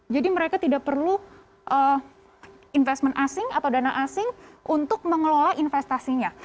jadi mereka tidak perlu investment asing atau dana asing untuk mengelola investasinya